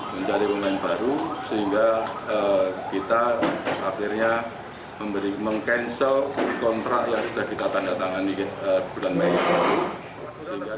mencari pemain baru sehingga kita akhirnya meng cancel kontrak yang sudah kita tandatangani bulan mei